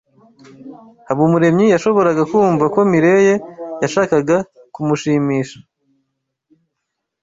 Habumuremyi yashoboraga kumva ko Mirelle yashakaga kumushimisha.